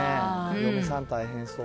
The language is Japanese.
嫁さん、大変そう。